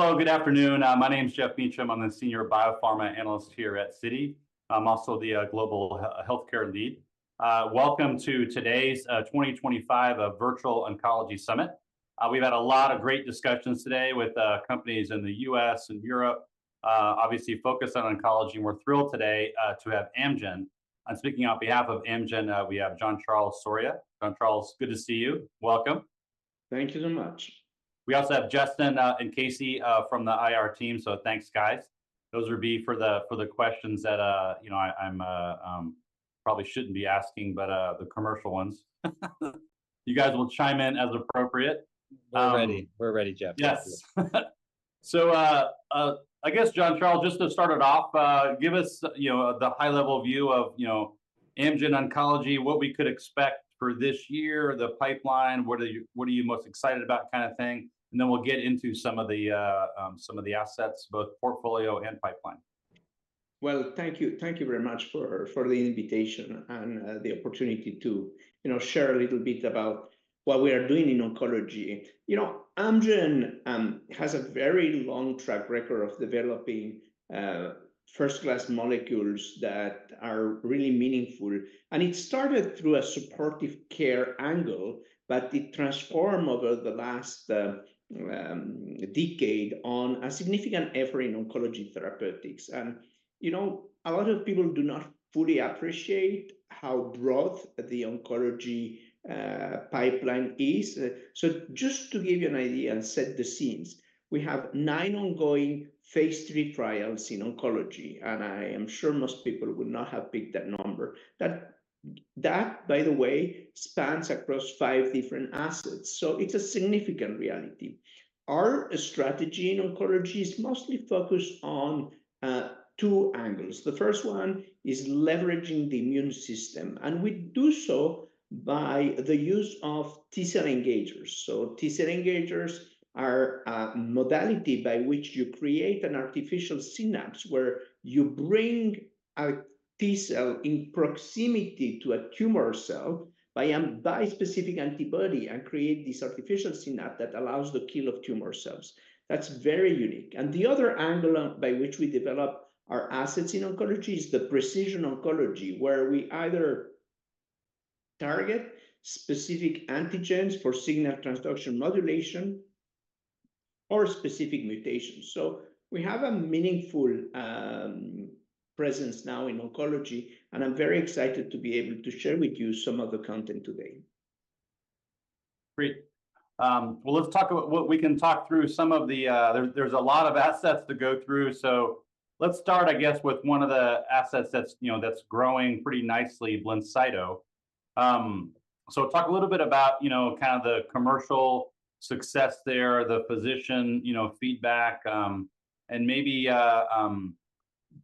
Hello, good afternoon. My name is Geoff Meacham. I'm the Senior Biopharma Analyst here at Citi. I'm also the Global Healthcare Lead. Welcome to today's 2025 Virtual Oncology Summit. We've had a lot of great discussions today with companies in the U.S. and Europe, obviously focused on oncology, and we're thrilled today to have Amgen. I'm speaking on behalf of Amgen. We have Jean-Charles Soria. Jean-Charles, good to see you. Welcome. Thank you so much. We also have Justin and Casey from the IR team. So thanks, guys. Those will be for the questions that, you know, I probably shouldn't be asking, but the commercial ones. You guys will chime in as appropriate. We're ready. We're ready, Geoff. Yes. So I guess, Jean-Charles, just to start it off, give us, you know, the high-level view of, you know, Amgen Oncology, what we could expect for this year, the pipeline, what are you most excited about, kind of thing, and then we'll get into some of the assets, both portfolio and pipeline. Well, thank you. Thank you very much for the invitation and the opportunity to, you know, share a little bit about what we are doing in oncology. You know, Amgen has a very long track record of developing first-class molecules that are really meaningful. And it started through a supportive care angle, but it transformed over the last decade on a significant effort in oncology therapeutics. And, you know, a lot of people do not fully appreciate how broad the oncology pipeline is. So just to give you an idea and set the scene, we have nine ongoing Phase III trials in oncology. And I am sure most people would not have picked that number. That, by the way, spans across five different assets. So it's a significant reality. Our strategy in oncology is mostly focused on two angles. The first one is leveraging the immune system. And we do so by the use of T-cell engagers. So T-cell engagers are a modality by which you create an artificial synapse where you bring a T-cell in proximity to a tumor cell by a bispecific antibody and create this artificial synapse that allows the kill of tumor cells. That's very unique. And the other angle by which we develop our assets in oncology is the precision oncology, where we either target specific antigens for signal transduction modulation or specific mutations. So we have a meaningful presence now in oncology. And I'm very excited to be able to share with you some of the content today. Great. Well, let's talk about what we can talk through some of the. There's a lot of assets to go through. So let's start, I guess, with one of the assets that's, you know, that's growing pretty nicely, BLINCYTO. So talk a little bit about, you know, kind of the commercial success there, the physician, you know, feedback, and maybe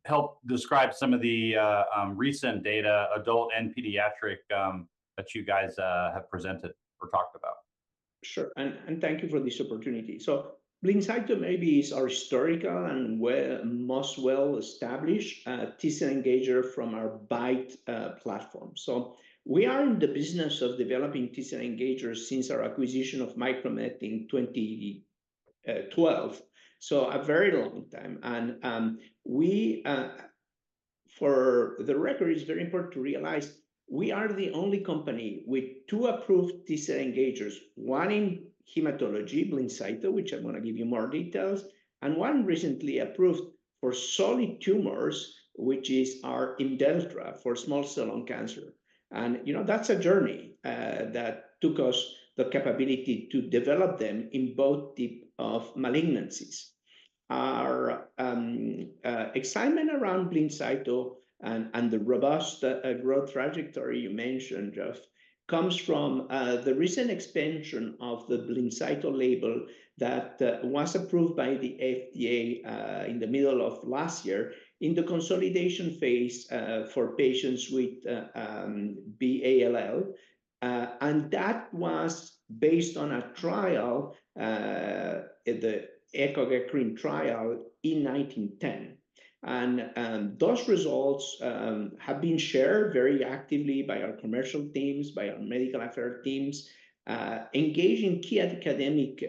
help describe some of the recent data, adult and pediatric, that you guys have presented or talked about. Sure. And thank you for this opportunity. So BLINCYTO maybe is our historical and most well-established T-cell engager from our BiTE platform. So we are in the business of developing T-cell engagers since our acquisition of Micromet in 2012. So a very long time. And we, for the record, it's very important to realize we are the only company with two approved T-cell engagers, one in hematology, BLINCYTO, which I'm going to give you more details, and one recently approved for solid tumors, which is our Imdelltra for small cell lung cancer. And, you know, that's a journey that took us the capability to develop them in both types of malignancies. Our excitement around BLINCYTO and the robust growth trajectory you mentioned, Geoff, comes from the recent expansion of the BLINCYTO label that was approved by the FDA in the middle of last year in the consolidation phase for patients with B-ALL. That was based on a trial, the ECOG-ACRIN trial, E1910. Those results have been shared very actively by our commercial teams, by our medical affairs teams, engaging key academic,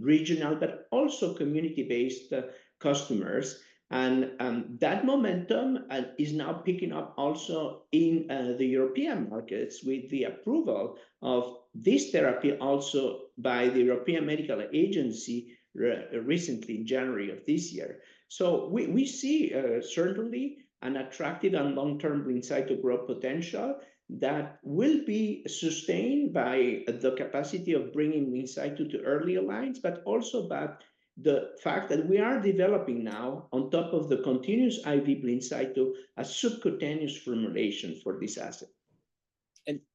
regional, but also community-based customers. That momentum is now picking up also in the European markets with the approval of this therapy also by the European Medicines Agency recently in January of this year. We see certainly an attractive and long-term BLINCYTO growth potential that will be sustained by the capacity of bringing BLINCYTO to early lines, but also by the fact that we are developing now on top of the continuous IV BLINCYTO a subcutaneous formulation for this asset.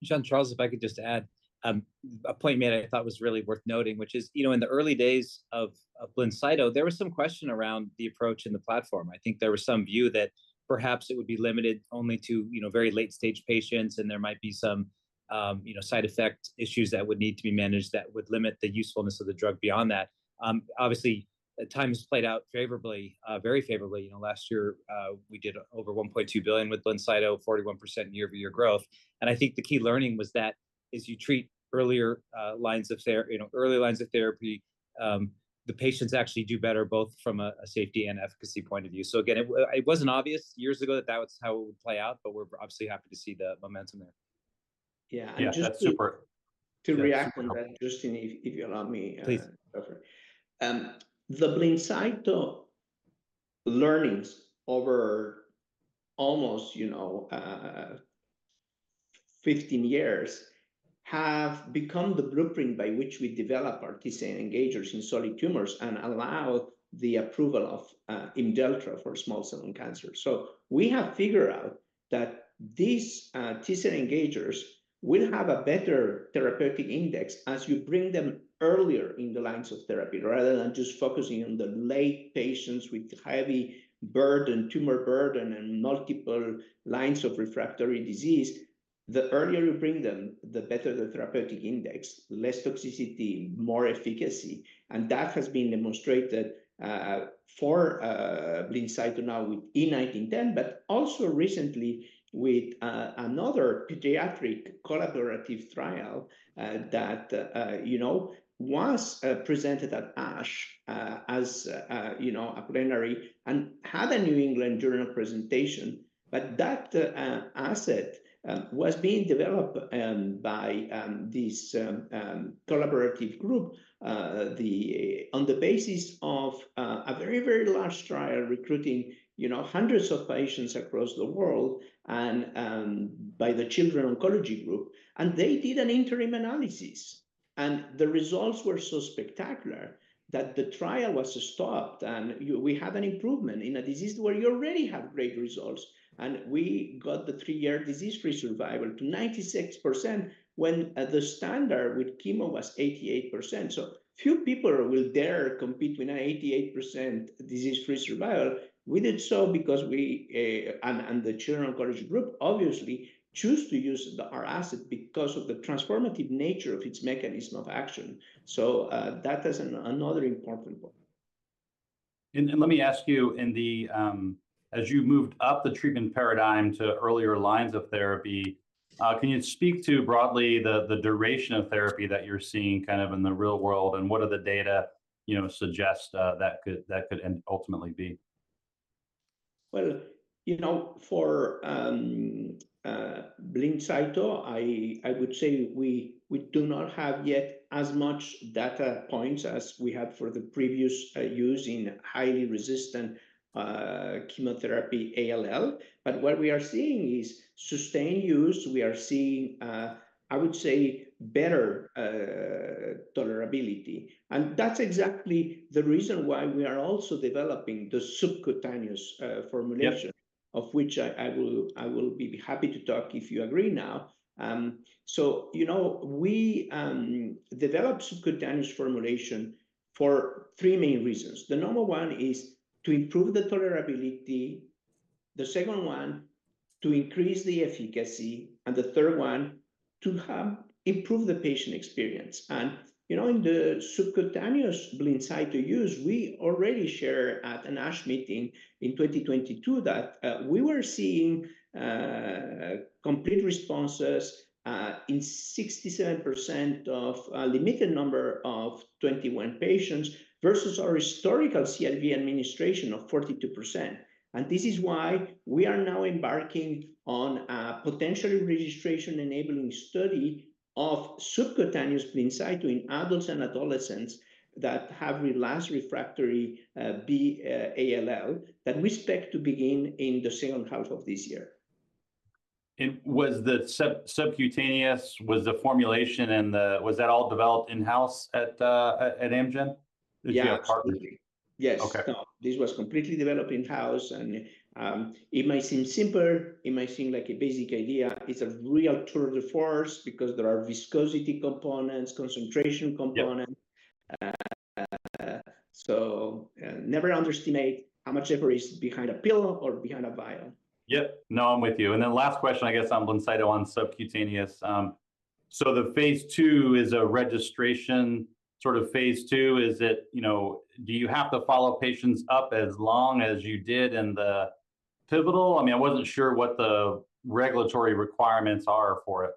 Jean-Charles, if I could just add a point made I thought was really worth noting, which is, you know, in the early days of BLINCYTO, there was some question around the approach and the platform. I think there was some view that perhaps it would be limited only to, you know, very late-stage patients, and there might be some, you know, side effect issues that would need to be managed that would limit the usefulness of the drug beyond that. Obviously, time has played out very favorably. You know, last year, we did over $1.2 billion with BLINCYTO, 41% year-over-year growth. And I think the key learning was that as you treat earlier lines of therapy, you know, early lines of therapy, the patients actually do better both from a safety and efficacy point of view. So again, it wasn't obvious years ago that that was how it would play out, but we're obviously happy to see the momentum there. Yeah. Yeah, that's super. To react on that, Justin, if you allow me. Please. The BLINCYTO learnings over almost, you know, 15 years have become the blueprint by which we develop our T-cell engagers in solid tumors and allow the approval of Imdelltra for small cell lung cancer, so we have figured out that these T-cell engagers will have a better therapeutic index as you bring them earlier in the lines of therapy rather than just focusing on the late patients with heavy burden, tumor burden, and multiple lines of refractory disease. The earlier you bring them, the better the therapeutic index, less toxicity, more efficacy, and that has been demonstrated for BLINCYTO now with E1910, but also recently with another pediatric collaborative trial that, you know, was presented at ASH as, you know, a plenary and had a New England Journal presentation. But that asset was being developed by this collaborative group on the basis of a very, very large trial recruiting, you know, hundreds of patients across the world and by the Children's Oncology Group. And they did an interim analysis. And the results were so spectacular that the trial was stopped. And we had an improvement in a disease where you already have great results. And we got the three-year disease-free survival to 96% when the standard with chemo was 88%. So few people will dare compete with an 88% disease-free survival. We did so because we and the Children's Oncology Group obviously chose to use our asset because of the transformative nature of its mechanism of action. So that is another important point. Let me ask you, as you moved up the treatment paradigm to earlier lines of therapy, can you speak to broadly the duration of therapy that you're seeing kind of in the real world? What do the data, you know, suggest that could ultimately be? You know, for BLINCYTO, I would say we do not have yet as much data points as we had for the previous use in highly resistant chemotherapy ALL, but what we are seeing is sustained use. We are seeing, I would say, better tolerability, and that's exactly the reason why we are also developing the subcutaneous formulation, of which I will be happy to talk if you agree now, so you know, we developed subcutaneous formulation for three main reasons. The number one is to improve the tolerability. The second one, to increase the efficacy. And the third one, to improve the patient experience. And you know, in the subcutaneous BLINCYTO use, we already shared at an ASH meeting in 2022 that we were seeing complete responses in 67% of a limited number of 21 patients versus our historical IV administration of 42%. This is why we are now embarking on a potentially registration-enabling study of subcutaneous BLINCYTO in adults and adolescents that have relapsed refractory B-ALL that we expect to begin in the second half of this year. Was the subcutaneous formulation and that all developed in-house at Amgen? Yes. Okay. This was completely developed in-house. And it might seem simple. It might seem like a basic idea. It's a real tour de force because there are viscosity components, concentration components. So never underestimate how much effort is behind a pill or behind a vial. Yep. No, I'm with you. Last question, I guess, on BLINCYTO on subcutaneous. The Phase II is a registration sort of Phase II. Is it, you know, do you have to follow patients up as long as you did in the pivotal? I mean, I wasn't sure what the regulatory requirements are for it.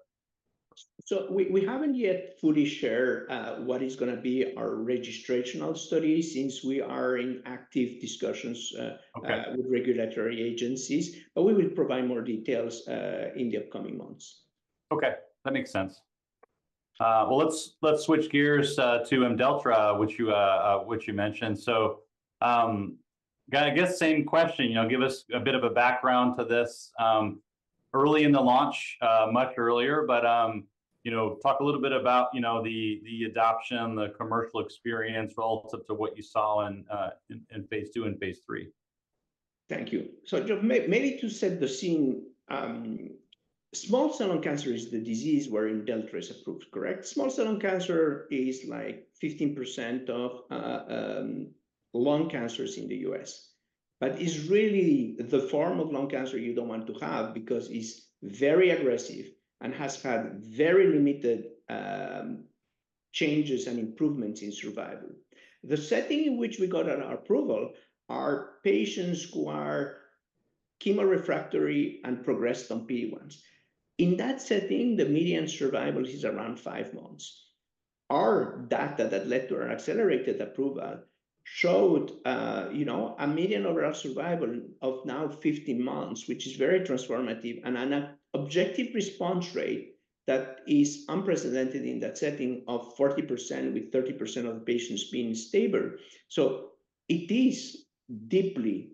So we haven't yet fully shared what is going to be our registrational study since we are in active discussions with regulatory agencies. But we will provide more details in the upcoming months. Okay. That makes sense. Let's switch gears to Imdelltra, which you mentioned. So I guess same question, you know, give us a bit of a background to this. Early in the launch, much earlier, but, you know, talk a little bit about, you know, the adoption, the commercial experience relative to what you saw in Phase II and Phase III. Thank you. So maybe to set the scene, small cell lung cancer is the disease where Imdelltra is approved, correct? Small cell lung cancer is like 15% of lung cancers in the U.S. But it's really the form of lung cancer you don't want to have because it's very aggressive and has had very limited changes and improvements in survival. The setting in which we got our approval are patients who are chemorefractory and progressed on PD-1s. In that setting, the median survival is around five months. Our data that led to our accelerated approval showed, you know, a median overall survival of now 15 months, which is very transformative, and an objective response rate that is unprecedented in that setting of 40% with 30% of patients being stable. So it is deeply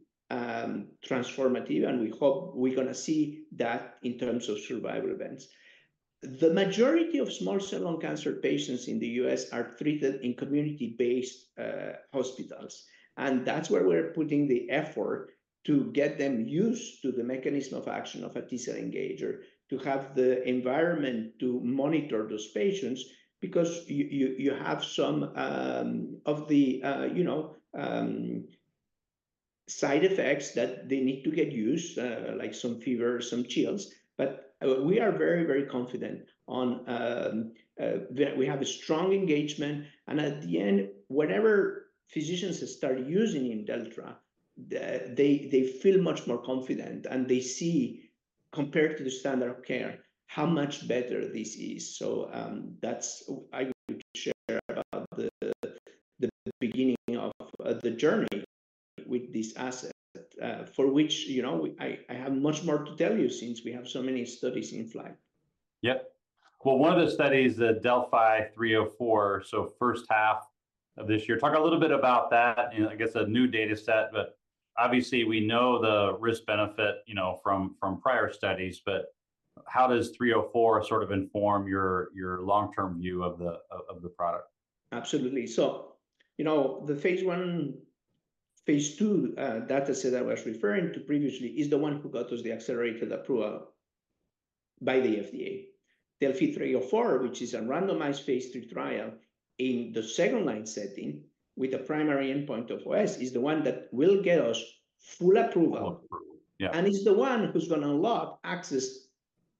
transformative, and we hope we're going to see that in terms of survival events. The majority of small cell lung cancer patients in the U.S. are treated in community-based hospitals. And that's where we're putting the effort to get them used to the mechanism of action of a T-cell engager, to have the environment to monitor those patients because you have some of the, you know, side effects that they need to get used, like some fever, some chills. But we are very, very confident on we have a strong engagement. And at the end, whenever physicians start using Imdelltra, they feel much more confident, and they see compared to the standard of care how much better this is. So that's I would share about the beginning of the journey with this asset for which, you know, I have much more to tell you since we have so many studies in flight. Yep. Well, one of the studies, the DeLLphi-304, so first half of this year. Talk a little bit about that, and I guess a new data set, but obviously we know the risk-benefit, you know, from prior studies, but how does 304 sort of inform your long-term view of the product? Absolutely. So, you know, the Phase I, Phase II data set I was referring to previously is the one who got us the accelerated approval by the FDA. DeLLphi-304, which is a randomized Phase III trial in the second line setting with the primary endpoint of OS, is the one that will get us full approval. And it's the one who's going to unlock access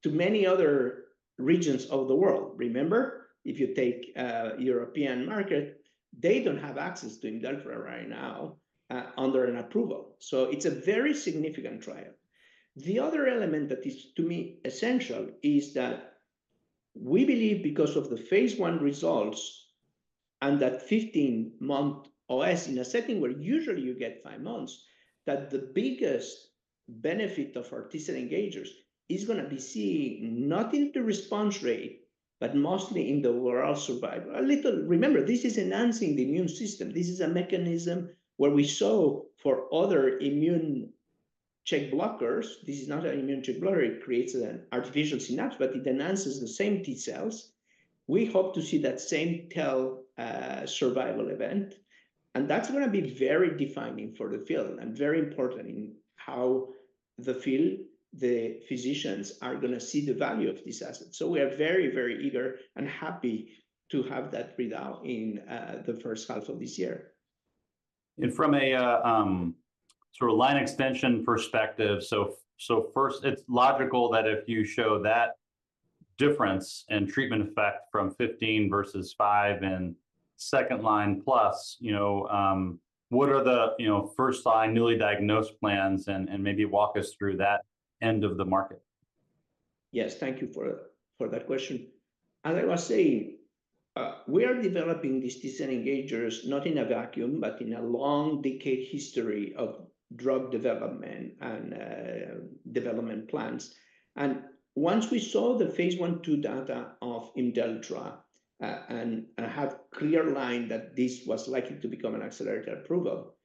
to many other regions of the world. Remember, if you take the European market, they don't have access to Imdelltra right now under an approval. So it's a very significant trial. The other element that is, to me, essential is that we believe because of the Phase I results and that 15-month OS in a setting where usually you get five months, that the biggest benefit of our T-cell engagers is going to be seeing not in the response rate, but mostly in the overall survival. Alright, remember, this is enhancing the immune system. This is a mechanism where we saw for other immune checkpoint blockers. This is not an immune checkpoint blocker. It creates an artificial synapse, but it enhances the same T-cells. We hope to see that same tail survival event. And that's going to be very defining for the field and very important in how the field, the physicians are going to see the value of this asset. So we are very, very eager and happy to have that readout in the first half of this year. From a sort of line extension perspective, so first, it's logical that if you show that difference in treatment effect from 15 versus five and second line plus, you know, what are the, you know, first-line newly diagnosed plans and maybe walk us through that end of the market? Yes, thank you for that question. As I was saying, we are developing these T-cell engagers not in a vacuum, but in a long-decade history of drug development and development plans. And once we saw the Phase I/II data of Imdelltra and had a clear line that this was likely to become an accelerated approval,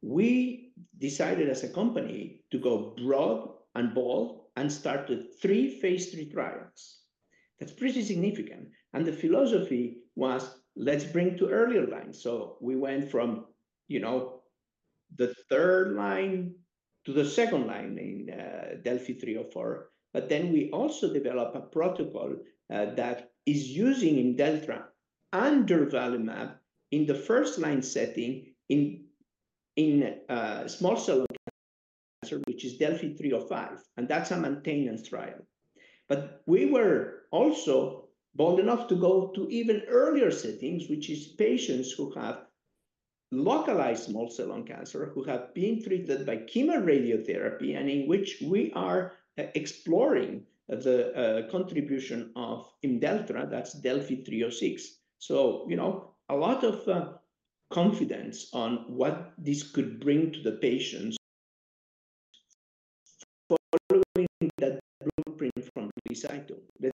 we decided as a company to go broad and bold and start with three Phase III trials. That's pretty significant. And the philosophy was, let's bring to earlier line. So we went from, you know, the third line to the second line in DeLLphi-304. But then we also developed a protocol that is using Imdelltra under durvalumab in the first line setting in small cell lung cancer, which is DeLLphi-305. And that's a maintenance trial. But we were also bold enough to go to even earlier settings, which is patients who have localized small cell lung cancer who have been treated by chemo and radiotherapy and in which we are exploring the contribution of Imdelltra, that's DeLLphi-306. So, you know, a lot of confidence on what this could bring to the patients following that blueprint from BLINCYTO.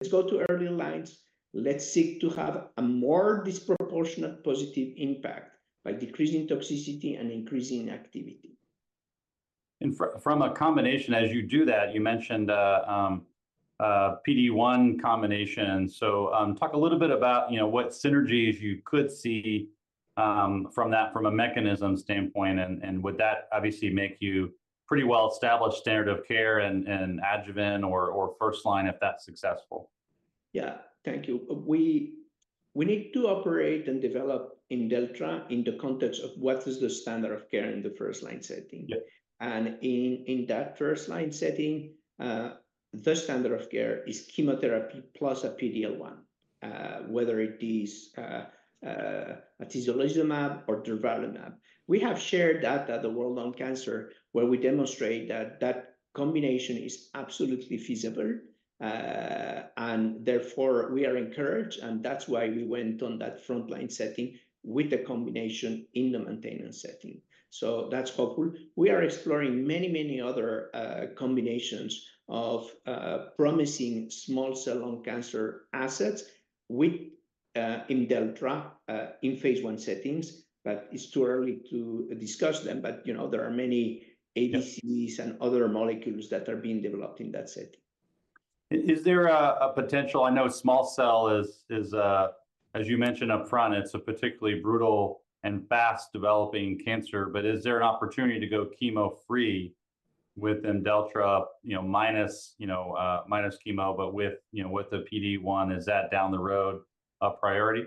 Let's go to earlier lines. Let's seek to have a more disproportionate positive impact by decreasing toxicity and increasing activity. And from a combination, as you do that, you mentioned PD-1 combination. And so talk a little bit about, you know, what synergies you could see from that from a mechanism standpoint. And would that obviously make you pretty well-established standard of care and adjuvant or first line if that's successful? Yeah, thank you. We need to operate and develop Imdelltra in the context of what is the standard of care in the first line setting, and in that first line setting, the standard of care is chemotherapy plus a PD-1, whether it is atezolizumab or durvalumab. We have shared that at the World Lung Cancer, where we demonstrate that that combination is absolutely feasible, and therefore we are encouraged, and that's why we went on that frontline setting with the combination in the maintenance setting, so that's hopeful. We are exploring many, many other combinations of promising small cell lung cancer assets with Imdelltra in Phase I settings, but it's too early to discuss them. But, you know, there are many ABCs and other molecules that are being developed in that setting. Is there a potential? I know small cell is, as you mentioned upfront, it's a particularly brutal and fast-developing cancer. But is there an opportunity to go chemo free with Imdelltra, you know, minus, you know, minus chemo, but with, you know, with the PD-1? Is that down the road a priority?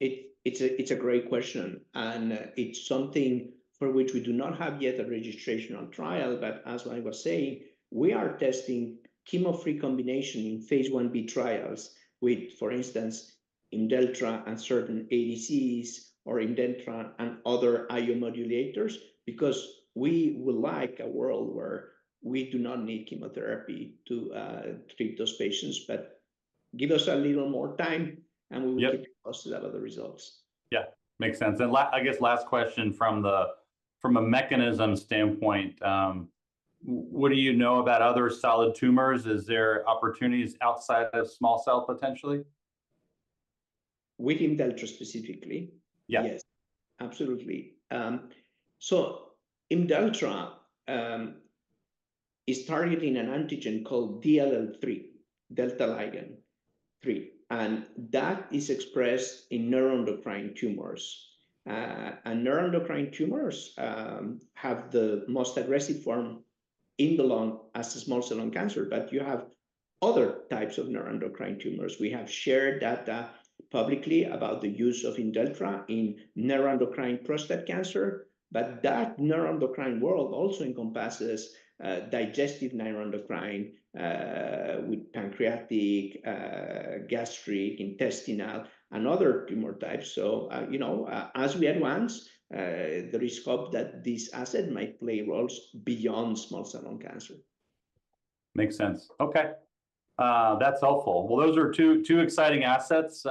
It's a great question. And it's something for which we do not have yet a registrational trial. But as I was saying, we are testing chemo-free combination in Phase IB trials with, for instance, Imdelltra and certain ADCs or Imdelltra and other IO modulators because we would like a world where we do not need chemotherapy to treat those patients. But give us a little more time, and we will take a positive out of the results. Yeah, makes sense. And I guess last question from a mechanism standpoint, what do you know about other solid tumors? Is there opportunities outside of small cell potentially? With Imdelltra specifically? Yes. Yes, absolutely. So Imdelltra is targeting an antigen called DLL3, delta-like ligand 3. And that is expressed in neuroendocrine tumors. And neuroendocrine tumors have the most aggressive form in the lung as a small cell lung cancer. But you have other types of neuroendocrine tumors. We have shared data publicly about the use of Imdelltra in neuroendocrine prostate cancer. But that neuroendocrine world also encompasses digestive neuroendocrine with pancreatic, gastric, intestinal, and other tumor types. So, you know, as we advance, there is hope that this asset might play roles beyond small cell lung cancer. Makes sense. Okay. That's helpful. Well, those are two exciting assets.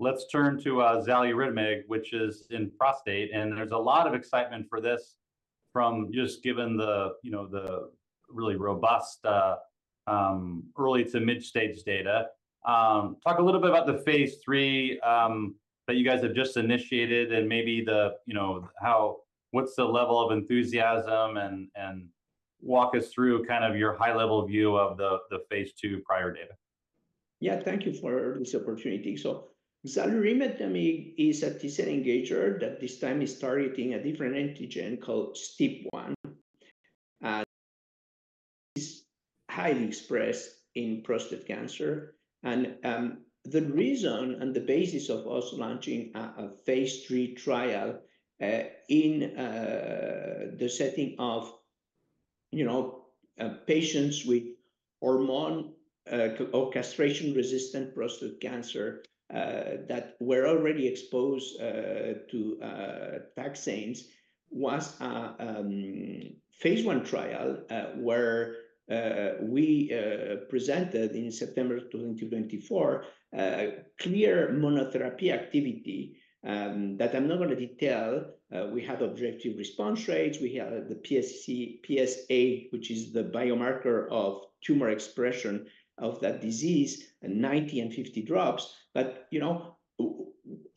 Let's turn to xaluritamig, which is in prostate. And there's a lot of excitement for this from just given the, you know, the really robust early to mid-stage data. Talk a little bit about the Phase III that you guys have just initiated and maybe the, you know, what's the level of enthusiasm and walk us through kind of your high-level view of the Phase II prior data. Yeah, thank you for this opportunity. So xaluritamig is a T-cell engager that this time is targeting a different antigen called STEAP1. It's highly expressed in prostate cancer. And the reason and the basis of us launching a Phase III trial in the setting of, you know, patients with hormone or castration-resistant prostate cancer that were already exposed to vaccines was a Phase I trial where we presented in September 2024 clear monotherapy activity that I'm not going to detail. We had objective response rates. We had the PSA, which is the biomarker of tumor expression of that disease, 90 and 50 drops. But, you know,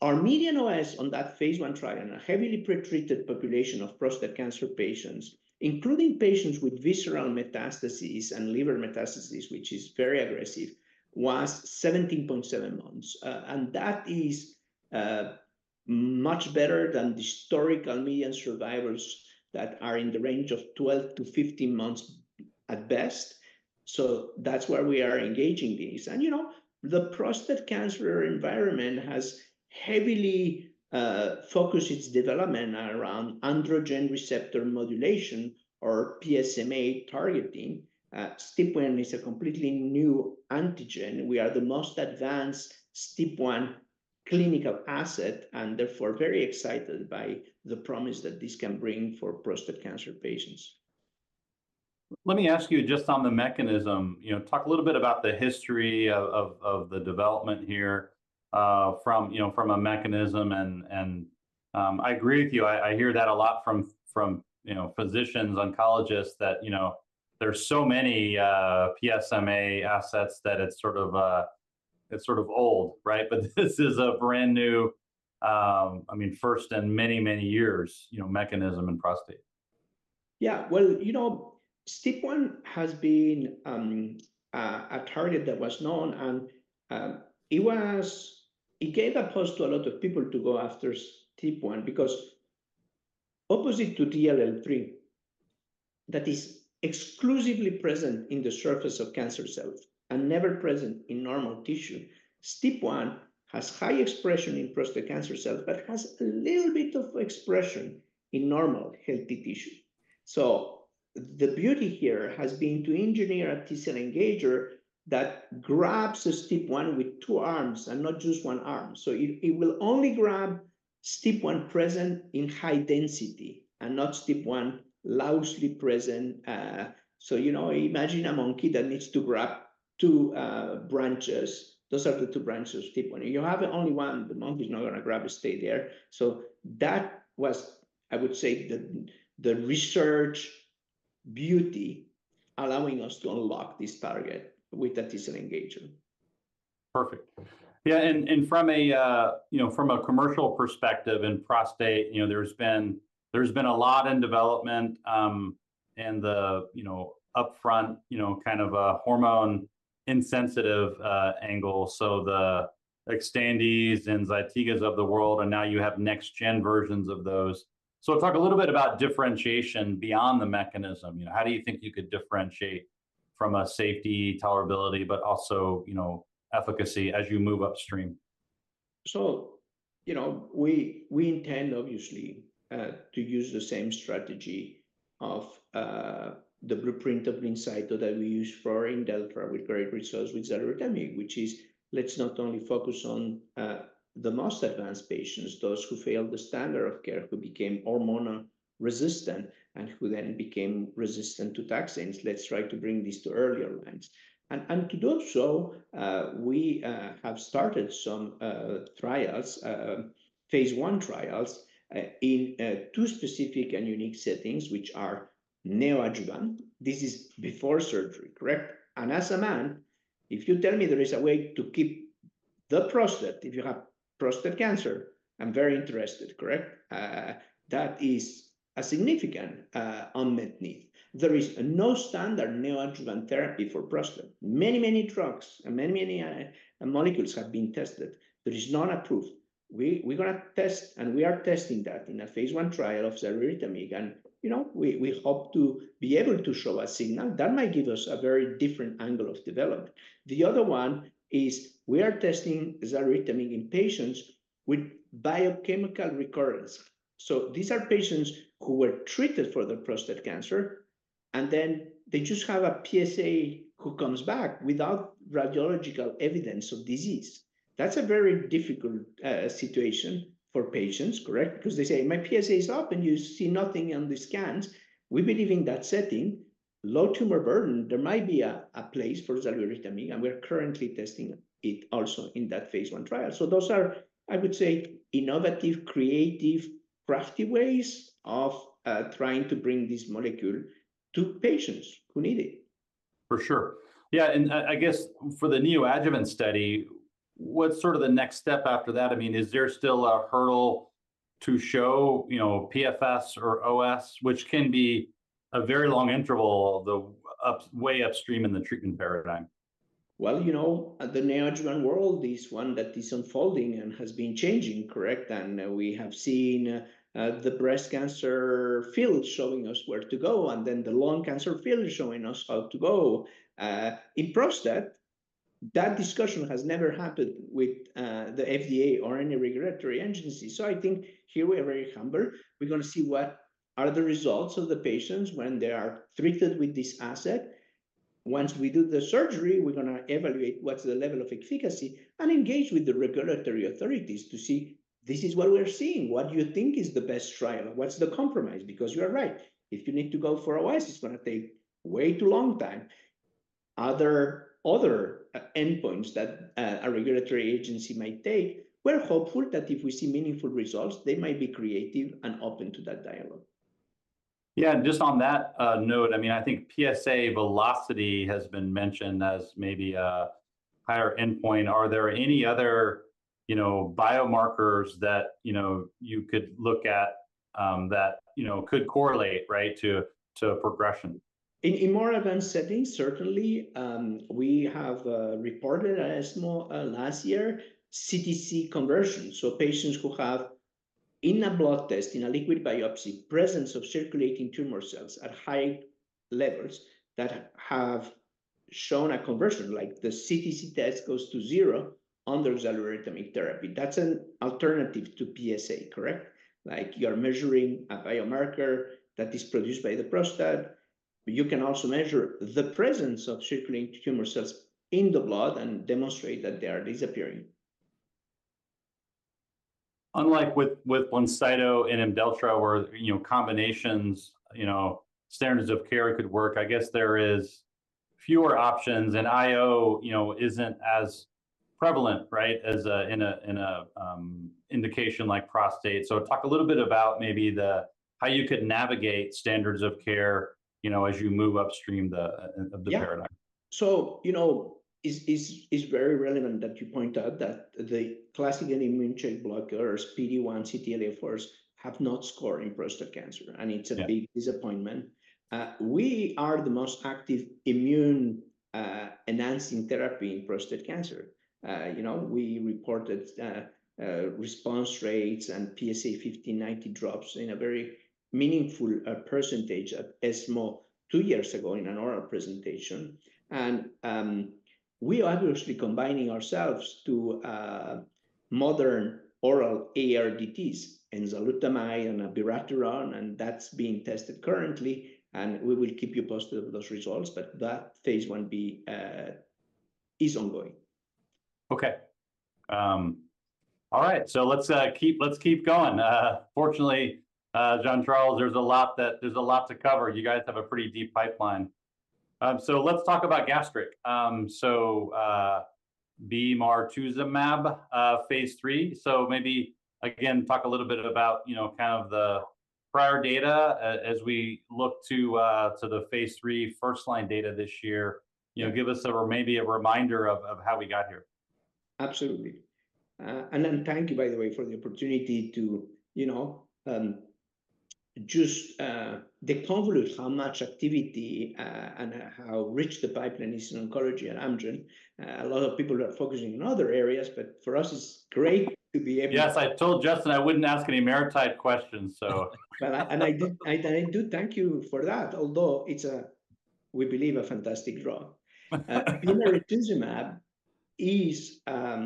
our median OS on that Phase I trial in a heavily pretreated population of prostate cancer patients, including patients with visceral metastases and liver metastases, which is very aggressive, was 17.7 months. That is much better than the historical median survivors that are in the range of 12-15 months at best. That's where we are engaging these. You know, the prostate cancer environment has heavily focused its development around androgen receptor modulation or PSMA targeting. STEAP1 is a completely new antigen. We are the most advanced STEAP1 clinical asset and therefore very excited by the promise that this can bring for prostate cancer patients. Let me ask you just on the mechanism, you know, talk a little bit about the history of the development here from, you know, from a mechanism. And I agree with you. I hear that a lot from, you know, physicians, oncologists that, you know, there's so many PSMA assets that it's sort of, it's sort of old, right? But this is a brand new, I mean, first in many, many years, you know, mechanism in prostate. Yeah, well, you know, STEAP1 has been a target that was known. And it was, it gave a pause to a lot of people to go after STEAP1 because opposite to DLL3, that is exclusively present on the surface of cancer cells and never present in normal tissue, STEAP1 has high expression in prostate cancer cells, but has a little bit of expression in normal healthy tissue. So the beauty here has been to engineer a T-cell engager that grabs STEAP1 with two arms and not just one arm. So it will only grab STEAP1 present in high density and not STEAP1 loosely present. So, you know, imagine a monkey that needs to grab two branches. Those are the two branches of STEAP1. You have only one. The monkey is not going to grab and stay there. That was, I would say, the research beauty allowing us to unlock this target with a T-cell engager. Perfect. Yeah, and from a you know, commercial perspective in prostate, you know, there's been a lot in development in the you know, upfront, kind of a hormone insensitive angle. So the Xtandi's and Zytiga's of the world, and now you have next-gen versions of those. So talk a little bit about differentiation beyond the mechanism. You know, how do you think you could differentiate from a safety, tolerability, but also, you know, efficacy as you move upstream? So, you know, we intend obviously to use the same strategy of the blueprint of BLINCYTO, that we use for Imdelltra with great results with xaluritamig, which is let's not only focus on the most advanced patients, those who failed the standard of care, who became hormone resistant and who then became resistant to taxanes. Let's try to bring this to earlier lines. And to do so, we have started some trials, Phase I trials in two specific and unique settings, which are neoadjuvant. This is before surgery, correct? And as a man, if you tell me there is a way to keep the prostate, if you have prostate cancer, I'm very interested, correct? That is a significant unmet need. There is no standard neoadjuvant therapy for prostate. Many, many drugs and many, many molecules have been tested that is not approved. We're going to test, and we are testing that in a Phase I trial of xaluritamig, and you know, we hope to be able to show a signal that might give us a very different angle of development. The other one is we are testing xaluritamig in patients with biochemical recurrence, so these are patients who were treated for the prostate cancer, and then they just have a PSA who comes back without radiological evidence of disease. That's a very difficult situation for patients, correct? Because they say, "My PSA is up, and you see nothing on the scans." We believe in that setting, low tumor burden, there might be a place for xaluritamig, and we're currently testing it also in that Phase Itrial, so those are, I would say, innovative, creative, crafty ways of trying to bring this molecule to patients who need it. For sure. Yeah. And I guess for the neoadjuvant study, what's sort of the next step after that? I mean, is there still a hurdle to show, you know, PFS or OS, which can be a very long interval, the way upstream in the treatment paradigm? You know, the neoadjuvant world is one that is unfolding and has been changing, correct? And we have seen the breast cancer field showing us where to go, and then the lung cancer field showing us how to go in prostate. That discussion has never happened with the FDA or any regulatory agency. So I think here we are very humble. We're going to see what are the results of the patients when they are treated with this asset. Once we do the surgery, we're going to evaluate what's the level of efficacy and engage with the regulatory authorities to see, "This is what we're seeing. What do you think is the best trial? What's the compromise?" Because you're right. If you need to go for OS, it's going to take way too long time. Other endpoints that a regulatory agency might take. We're hopeful that if we see meaningful results, they might be creative and open to that dialogue. Yeah, and just on that note, I mean, I think PSA velocity has been mentioned as maybe a higher endpoint. Are there any other, you know, biomarkers that, you know, you could look at that, you know, could correlate, right, to progression? In more advanced settings, certainly, we have reported last year CTC conversion. So patients who have in a blood test, in a liquid biopsy, presence of circulating tumor cells at high levels that have shown a conversion, like the CTC test goes to zero under xaluritamig therapy. That's an alternative to PSA, correct? Like you are measuring a biomarker that is produced by the prostate. You can also measure the presence of circulating tumor cells in the blood and demonstrate that they are disappearing. Unlike with BLINCYTO, Imdelltra, or, you know, combinations, you know, standards of care could work, I guess there are fewer options, and IO, you know, isn't as prevalent, right, as in an indication like prostate, so talk a little bit about maybe how you could navigate standards of care, you know, as you move upstream of the paradigm. Yeah. So, you know, it's very relevant that you point out that the classic checkpoint and immune checkpoint blockers, PD-1, CTLA-4s, have not scored in prostate cancer. And it's a big disappointment. We are the most active immune enhancing therapy in prostate cancer. You know, we reported response rates and PSA 90% drops in a very meaningful percentage at ESMO two years ago in an oral presentation. And we are actually combining ourselves to modern oral ARDTs and enzalutamide and abiraterone, and that's being tested currently. And we will keep you posted with those results. But that phase one is ongoing. Okay. All right. So let's keep going. Fortunately, Jean-Charles, there's a lot to cover. You guys have a pretty deep pipeline. So let's talk about gastric. So Bemarituzumab Phase III. So maybe, again, talk a little bit about, you know, kind of the prior data as we look to the Phase III first-line data this year. You know, give us maybe a reminder of how we got here. Absolutely. And then thank you, by the way, for the opportunity to, you know, just the convoluted how much activity and how rich the pipeline is in oncology at Amgen. A lot of people are focusing on other areas, but for us, it's great to be able to. Yes, I told Justin I wouldn't ask any maritime questions, so. I do thank you for that, although it's, we believe, a fantastic draw. Bemarituzumab is a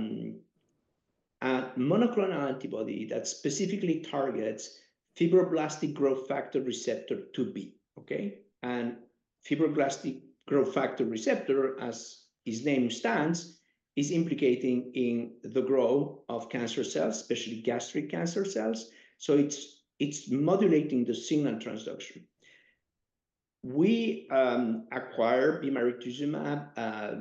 monoclonal antibody that specifically targets fibroblast growth factor receptor 2b, okay? And fibroblast growth factor receptor, as its name stands, is implicating in the growth of cancer cells, especially gastric cancer cells. So it's modulating the signal transduction. We acquire bemarituzumab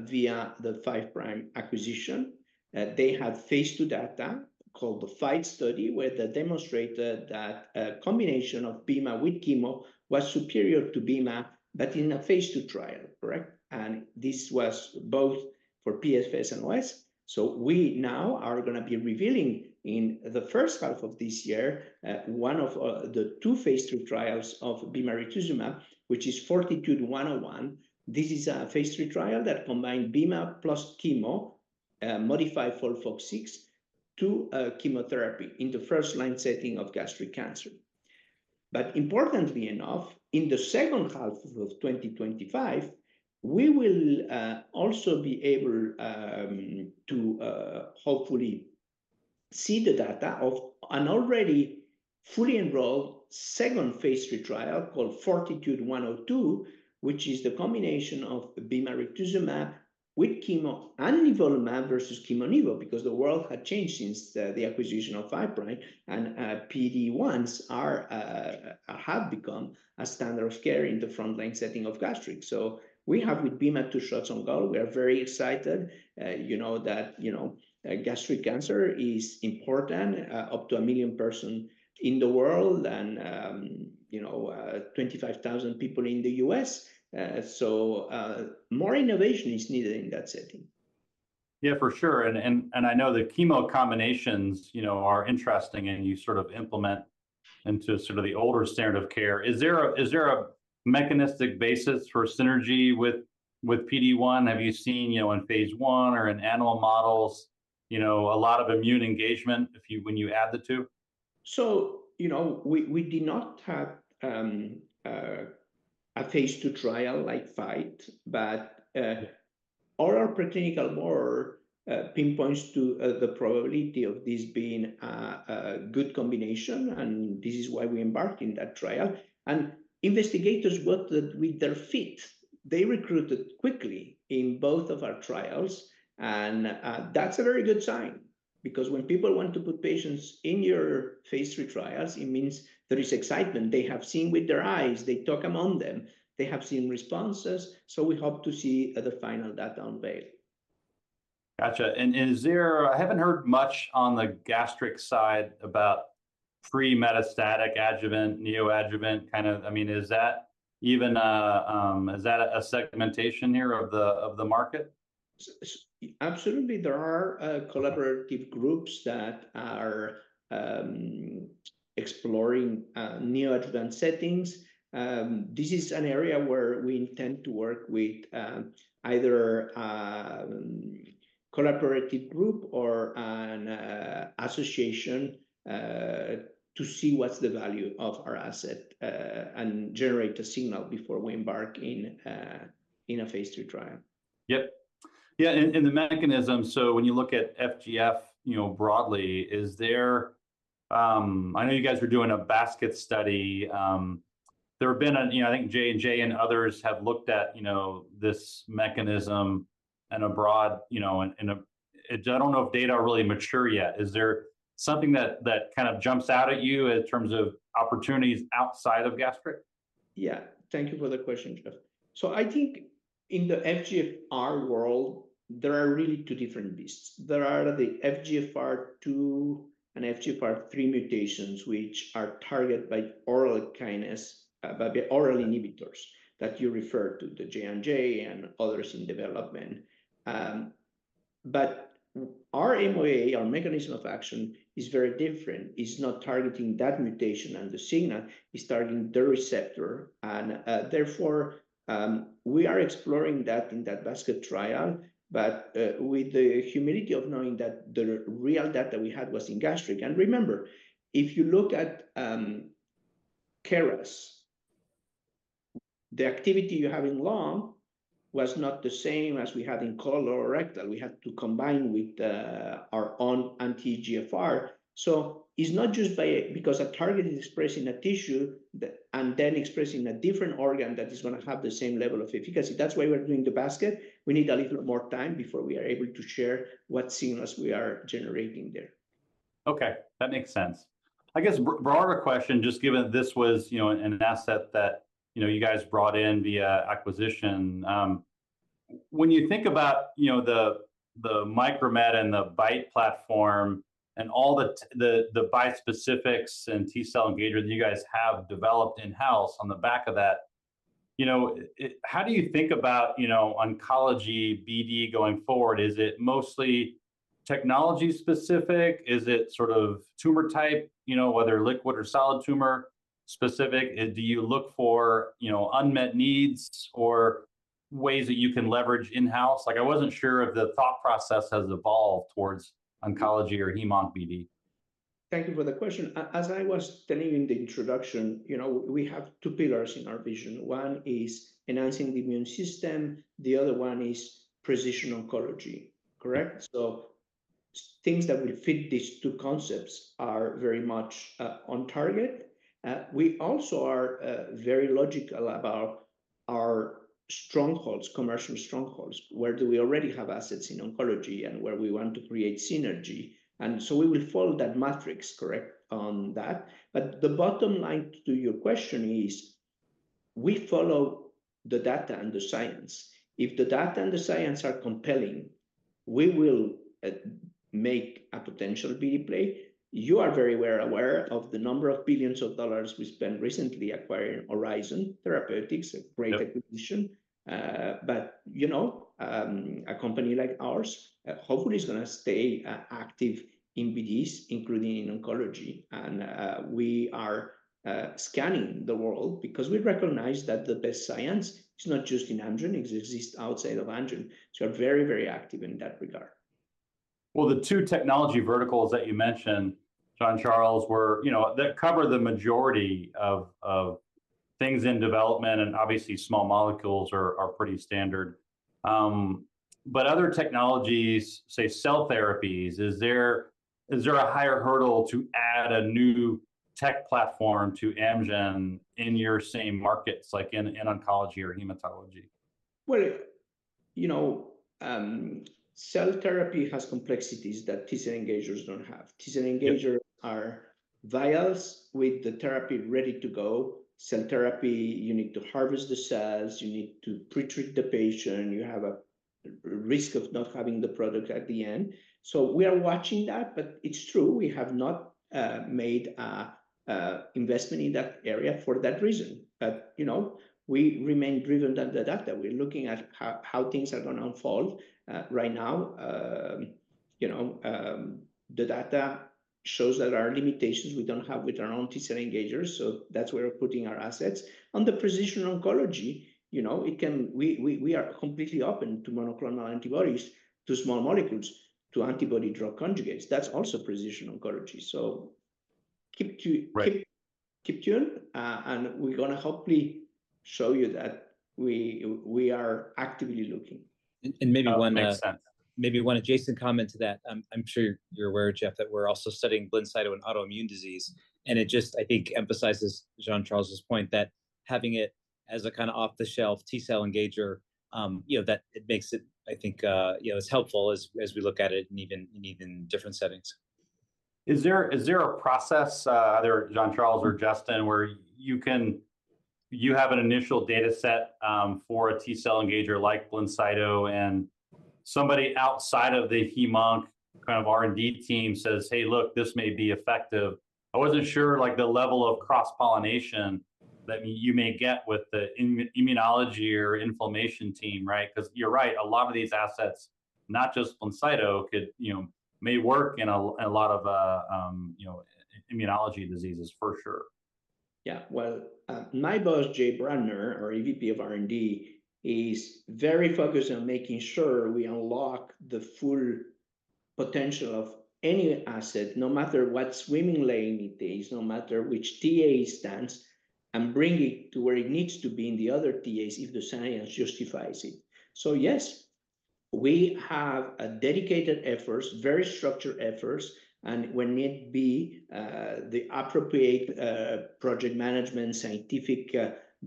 via the Five Prime acquisition. They have Phase II data called the FIGHT study, where they demonstrated that a combination of bemarituzumab with chemo was superior to chemo, but in a Phase II trial, correct? And this was both for PFS and OS. So we now are going to be revealing in the first half of this year one of the two Phase III trials of bemarituzumab, which is 42101. This is a Phase III trial that combined bemarituzumab plus chemo, modified FOLFOX6, to chemotherapy in the first-line setting of gastric cancer. But importantly enough, in the second half of 2025, we will also be able to hopefully see the data of an already fully enrolled second Phase III trial called 42102, which is the combination of bemarituzumab with chemo and nivolumab versus chemo/Nivo, because the world had changed since the acquisition of Five Prime and PD-1s have become a standard of care in the front-line setting of gastric. So we have with Bemar two shots on goal. We are very excited, you know, that, you know, gastric cancer is important, up to a million persons in the world and, you know, 25,000 people in the U.S. So more innovation is needed in that setting. Yeah, for sure, and I know the chemo combinations, you know, are interesting and you sort of implement into sort of the older standard of care. Is there a mechanistic basis for synergy with PD-1? Have you seen, you know, in Phase I or in animal models, you know, a lot of immune engagement when you add the two? So, you know, we did not have a Phase II trial like FIGHT, but our preclinical board pinpoints to the probability of this being a good combination. And this is why we embarked in that trial. And investigators worked with fleet feet. They recruited quickly in both of our trials. And that's a very good sign because when people want to put patients in your Phase III trials, it means there is excitement. They have seen with their eyes. They talk among them. They have seen responses. So we hope to see the final data unveiled. Gotcha. And is there, I haven't heard much on the gastric side about pre-metastatic adjuvant, neoadjuvant kind of, I mean, is that even, is that a segmentation here of the market? Absolutely. There are collaborative groups that are exploring neoadjuvant settings. This is an area where we intend to work with either a collaborative group or an association to see what's the value of our asset and generate a signal before we embark in a Phase III trial. Yep. Yeah. And the mechanism, so when you look at FGF, you know, broadly, is there? I know you guys are doing a basket study. There have been, you know, I think J&J and others have looked at, you know, this mechanism in a broad, you know, and I don't know if data are really mature yet. Is there something that kind of jumps out at you in terms of opportunities outside of gastric? Yeah. Thank you for the question, Jeff. So I think in the FGFR world, there are really two different beasts. There are the FGFR2 and FGFR3 mutations, which are targeted by oral kinase, by the oral inhibitors that you refer to, the J&J and others in development. But our MOA, our mechanism of action is very different. It's not targeting that mutation and the signal. It's targeting the receptor. And therefore, we are exploring that in that basket trial, but with the humility of knowing that the real data we had was in gastric. And remember, if you look at KRAS, the activity you have in lung was not the same as we had in colon or rectal. We had to combine with our own anti-FGFR. So it's not just because a target is expressed in a tissue and then expressed in a different organ that is going to have the same level of efficacy. That's why we're doing the basket. We need a little more time before we are able to share what signals we are generating there. Okay. That makes sense. I guess broader question, just given that this was, you know, an asset that, you know, you guys brought in via acquisition. When you think about, you know, the Micromet and the BiTE platform and all the BiTE specifics and T-cell engagement that you guys have developed in-house on the back of that, you know, how do you think about, you know, oncology BD going forward? Is it mostly technology specific? Is it sort of tumor type, you know, whether liquid or solid tumor specific? Do you look for, you know, unmet needs or ways that you can leverage in-house? Like I wasn't sure if the thought process has evolved towards oncology or hem/onc BD. Thank you for the question. As I was telling you in the introduction, you know, we have two pillars in our vision. One is enhancing the immune system. The other one is precision oncology, correct? So things that will fit these two concepts are very much on target. We also are very logical about our strongholds, commercial strongholds, where do we already have assets in oncology and where we want to create synergy, and so we will follow that matrix, correct, on that. But the bottom line to your question is we follow the data and the science. If the data and the science are compelling, we will make a potential BD play. You are very well aware of the number of billions of dollars we spent recently acquiring Horizon Therapeutics, a great acquisition. But, you know, a company like ours, hopefully, is going to stay active in BDs, including in oncology. And we are scanning the world because we recognize that the best science is not just in Amgen. It exists outside of Amgen. So we are very, very active in that regard. The two technology verticals that you mentioned, Jean-Charles, were, you know, that cover the majority of things in development and obviously small molecules are pretty standard. But other technologies, say cell therapies, is there a higher hurdle to add a new tech platform to Amgen in your same markets, like in oncology or hematology? You know, cell therapy has complexities that T-cell engagers don't have. T-cell engagers are vials with the therapy ready to go. Cell therapy, you need to harvest the cells. You need to pretreat the patient. You have a risk of not having the product at the end. So we are watching that, but it's true. We have not made an investment in that area for that reason. But, you know, we remain driven by the data. We're looking at how things are going to unfold. Right now, you know, the data shows that our limitations we don't have with our own T-cell engagers. So that's where we're putting our assets. On the precision oncology, you know, we are completely open to monoclonal antibodies, to small molecules, to antibody-drug conjugates. That's also precision oncology. So keep tuned. We're going to hopefully show you that we are actively looking. Maybe one adjacent comment to that. I'm sure you're aware, Jeff, that we're also studying BLINCYTO and autoimmune disease. It just, I think, emphasizes Jean-Charles' point that having it as a kind of off-the-shelf T-cell engager, you know, that it makes it, I think, you know, as helpful as we look at it in even different settings. Is there a process, either Jean-Charles or Justin, where you have an initial data set for a T-cell engager like BLINCYTO and somebody outside of the hem/onc kind of R&D team says, "Hey, look, this may be effective." I wasn't sure like the level of cross-pollination that you may get with the immunology or inflammation team, right? Because you're right, a lot of these assets, not just BLINCYTO, could, you know, may work in a lot of, you know, immunology diseases for sure. Yeah. Well, my boss, Jay Bradner, our EVP of R&D, is very focused on making sure we unlock the full potential of any asset, no matter what swimming lane it is, no matter which TA it stands, and bring it to where it needs to be in the other TAs if the science justifies it. So yes, we have dedicated efforts, very structured efforts, and when need be, the appropriate project management, scientific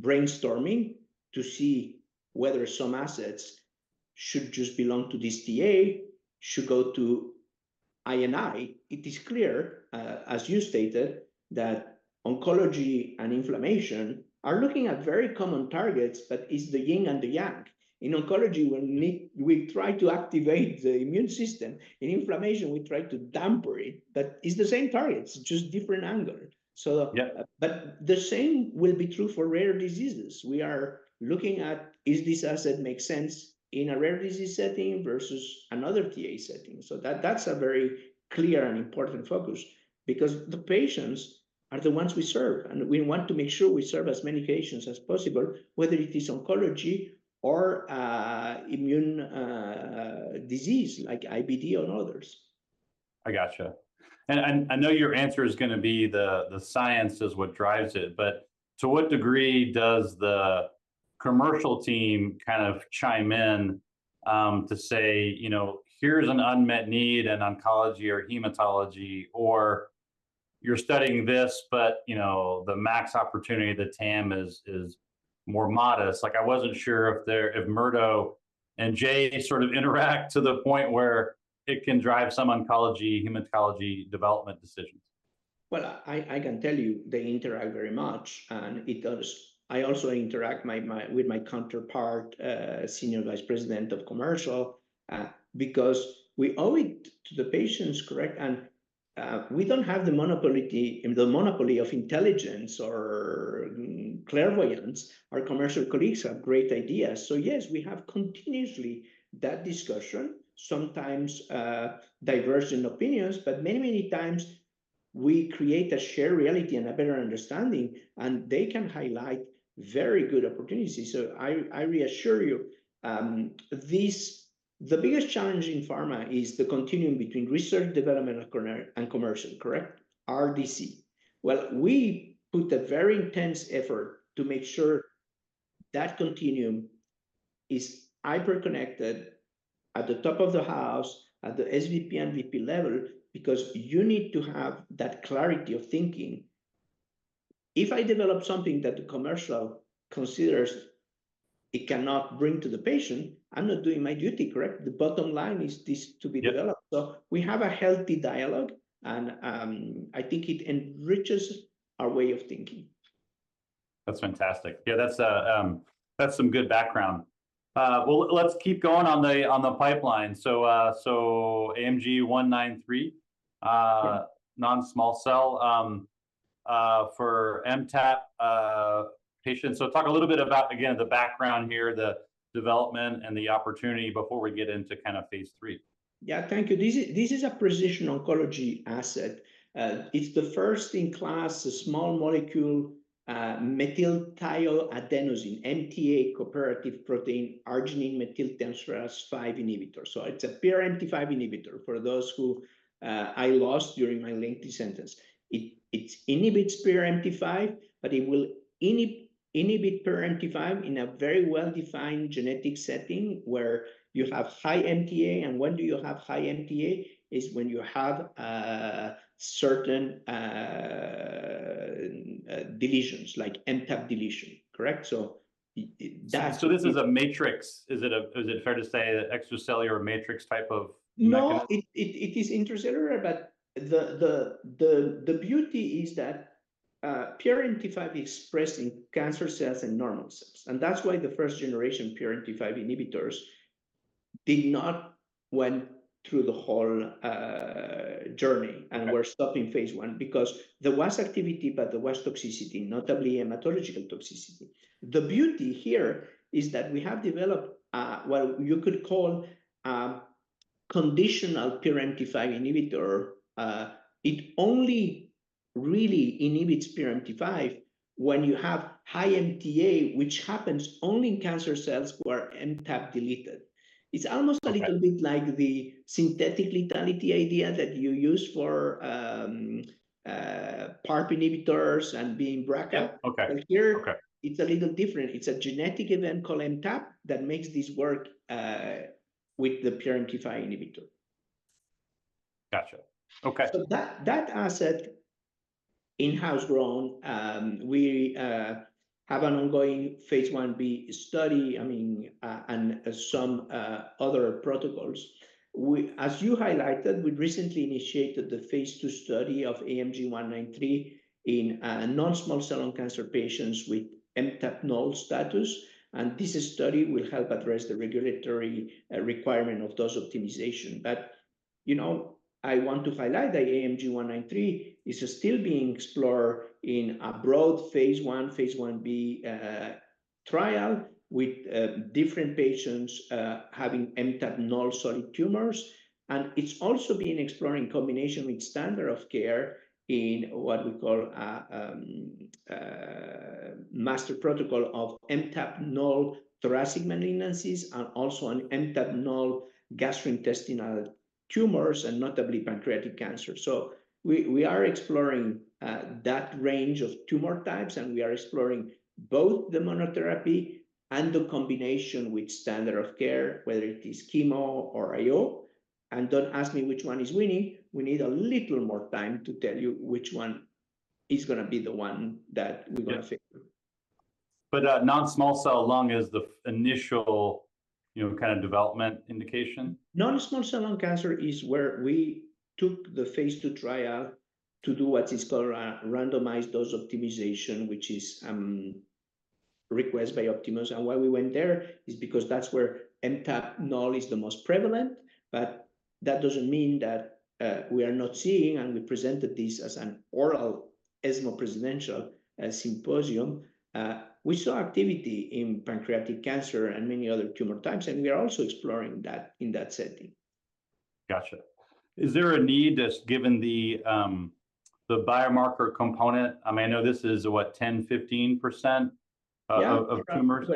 brainstorming to see whether some assets should just belong to this TA, should go to I&I. It is clear, as you stated, that oncology and inflammation are looking at very common targets, but it's the yin and the yang. In oncology, we try to activate the immune system. In inflammation, we try to dampen it, but it's the same targets, just different angle. So but the same will be true for rare diseases. We are looking at whether this asset makes sense in a rare disease setting versus another TA setting. So that's a very clear and important focus because the patients are the ones we serve, and we want to make sure we serve as many patients as possible, whether it is oncology or immune disease like IBD or others. I gotcha. And I know your answer is going to be the science is what drives it, but to what degree does the commercial team kind of chime in to say, you know, here's an unmet need in oncology or hematology or you're studying this, but, you know, the max opportunity of the TAM is more modest? Like I wasn't sure if Murdo and Jay sort of interact to the point where it can drive some oncology hematology development decisions. I can tell you they interact very much. It does. I also interact with my counterpart, Senior Vice President of Commercial, because we owe it to the patients, correct? We don't have the monopoly of intelligence or clairvoyance. Our commercial colleagues have great ideas. Yes, we have continuously that discussion, sometimes divergent opinions, but many, many times we create a shared reality and a better understanding, and they can highlight very good opportunities. I reassure you, the biggest challenge in pharma is the continuum between research, development, and commercial, correct? RDC. We put a very intense effort to make sure that continuum is hyper-connected at the top of the house, at the SVP and VP level, because you need to have that clarity of thinking. If I develop something that the commercial considers it cannot bring to the patient, I'm not doing my duty, correct? The bottom line is this to be developed. So we have a healthy dialogue, and I think it enriches our way of thinking. That's fantastic. Yeah, that's some good background. Well, let's keep going on the pipeline. So AMG 193, non-small cell for MTAP patients. So talk a little bit about, again, the background here, the development and the opportunity before we get into kind of Phase III. Yeah, thank you. This is a precision oncology asset. It's the first in class, a small molecule, methylthioadenosine, MTA cooperative protein, arginine methyltransferase 5 inhibitor. So it's a PRMT5 inhibitor for those who I lost during my lengthy sentence. It inhibits PRMT5, but it will inhibit PRMT5 in a very well-defined genetic setting where you have high MTA. And when do you have high MTA? It's when you have certain deletions, like MTAP deletion, correct? So this is a matrix. Is it fair to say extracellular matrix type of? No, it is intracellular, but the beauty is that PRMT5 expressed in cancer cells and normal cells. And that's why the first generation PRMT5 inhibitors did not went through the whole journey and were stopped in Phase I because there was activity, but there was toxicity, notably hematological toxicity. The beauty here is that we have developed what you could call conditional PRMT5 inhibitor. It only really inhibits PRMT5 when you have high MTA, which happens only in cancer cells who are MTAP deleted. It's almost a little bit like the synthetic lethality idea that you use for PARP inhibitors in BRCA. But here, it's a little different. It's a genetic event called MTAP that makes this work with the PRMT5 inhibitor. Gotcha. Okay. So that asset, in-house grown, we have an ongoing Phase IB study, I mean, and some other protocols. As you highlighted, we recently initiated the Phase II study of AMG 193 in non-small cell lung cancer patients with MTAP null status. And this study will help address the regulatory requirement of dose optimization. But, you know, I want to highlight that AMG 193 is still being explored in a broad Phase I, Phase IB trial with different patients having MTAP null solid tumors. And it's also being explored in combination with standard of care in what we call master protocol of MTAP null thoracic malignancies and also on MTAP null gastrointestinal tumors and notably pancreatic cancer. So we are exploring that range of tumor types, and we are exploring both the monotherapy and the combination with standard of care, whether it is chemo or IO. And don't ask me which one is winning. We need a little more time to tell you which one is going to be the one that we're going to fix. But non-small cell lung is the initial, you know, kind of development indication? Non-small cell lung cancer is where we took the Phase II trial to do what is called randomized dose optimization, which is requested by Project Optimus. Why we went there is because that's where MTAP null is the most prevalent. That doesn't mean that we are not seeing, and we presented this as an oral ESMO presidential symposium. We saw activity in pancreatic cancer and many other tumor types, and we are also exploring that in that setting. Gotcha. Is there a need just given the biomarker component? I mean, I know this is what, 10%-15% of tumors?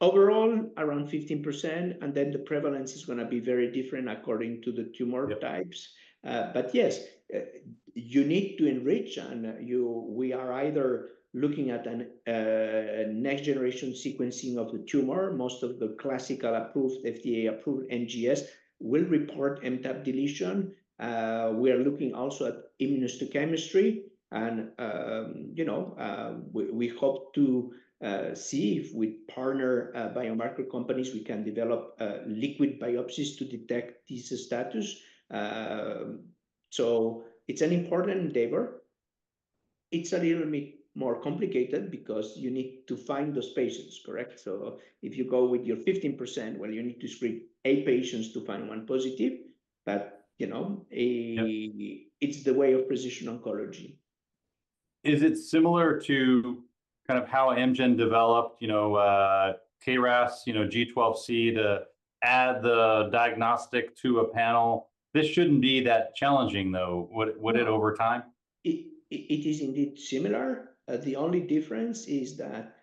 Overall, around 15%, and then the prevalence is going to be very different according to the tumor types. But yes, you need to enrich, and we are either looking at a next generation sequencing of the tumor. Most of the classical approved, FDA approved NGS will report MTAP deletion. We are looking also at immunohistochemistry, and, you know, we hope to see if with partner biomarker companies, we can develop liquid biopsies to detect T-cell status. So it's an important endeavor. It's a little bit more complicated because you need to find those patients, correct? So if you go with your 15%, well, you need to screen eight patients to find one positive. But, you know, it's the way of precision oncology. Is it similar to kind of how Amgen developed, you know, KRAS, you know, G12C to add the diagnostic to a panel? This shouldn't be that challenging, though. Would it over time? It is indeed similar. The only difference is that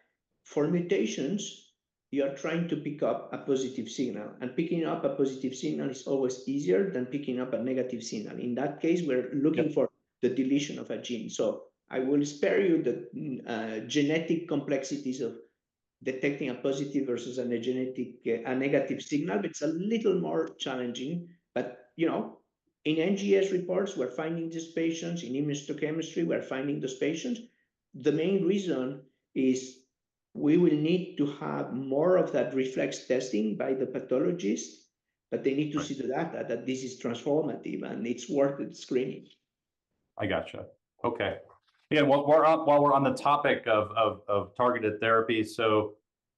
for mutations, you are trying to pick up a positive signal, and picking up a positive signal is always easier than picking up a negative signal. In that case, we're looking for the deletion of a gene, so I will spare you the genetic complexities of detecting a positive versus a negative signal, but it's a little more challenging, but, you know, in NGS reports, we're finding these patients. In immunohistochemistry, we're finding those patients. The main reason is we will need to have more of that reflex testing by the pathologist, but they need to see the data that this is transformative and it's worth screening. I gotcha. Okay. Again, while we're on the topic of targeted therapy, so